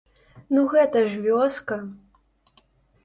Ну гэта ж вёска!